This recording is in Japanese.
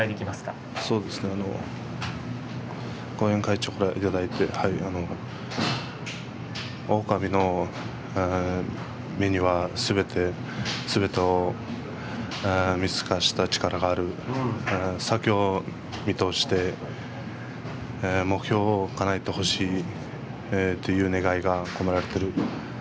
後援会長からいただいておおかみの目にはすべてを見透かした力がある先を見通して目標をかなえてほしいという願いが込められている